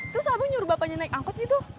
terus abang nyuruh bapaknya naik angkot gitu